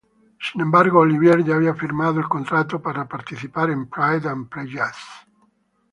Sin embargo, Olivier ya había firmado el contrato para participar en "Pride and Prejudice".